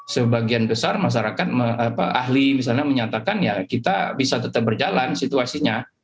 sebagian besar masyarakat ahli misalnya menyatakan ya kita bisa tetap berjalan situasinya